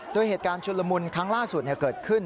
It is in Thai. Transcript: โดยเหตุการณ์ชุนละมุนครั้งล่าสุดเกิดขึ้น